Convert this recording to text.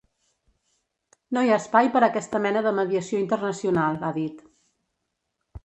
No hi ha espai per a aquesta mena de mediació internacional, ha dit.